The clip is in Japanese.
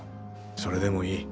それでもいい。